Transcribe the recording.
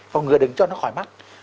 phòng ngừa đừng cho nó khỏi mắc